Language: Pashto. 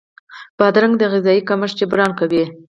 بادرنګ د غذايي کمښت جبران کوي.